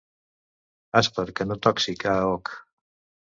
Esper que no torni a oc